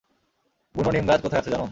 বুনো নিম গাছ কোথায় আছে জানো?